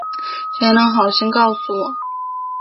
谁能好心告诉我